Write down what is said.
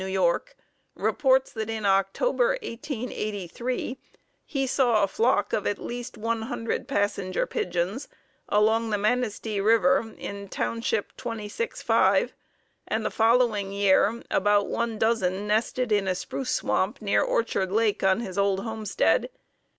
New York, reports that in October, 1883, he saw a flock of at least one hundred Passenger Pigeons along the Manistee River in Township 26 5 and the following year about one dozen nested in a Spruce swamp near Orchard Lake on his old homestead.